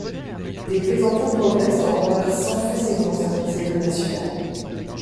Des plaisantins progressent en renversant facilement certaines cellules nationales.